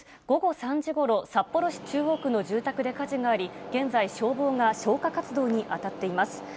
午後３時ごろ、札幌市中央区の住宅で火事があり、現在消防が消火活動に当たっています。